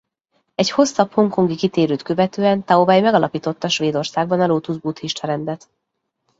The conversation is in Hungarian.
Egy hosszabb hongkongi kitérőt követően Tao Vej megalapította Svédországban a Lótusz buddhista rendet.